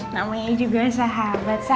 namanya juga sahabat sa